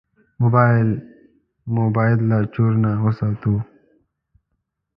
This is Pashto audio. موبایل مو باید له چور نه وساتو.